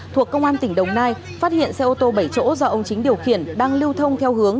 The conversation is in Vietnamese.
thuộc công an tỉnh đồng nai phát hiện xe ô tô bảy chỗ do ông chính điều khiển đang lưu thông theo hướng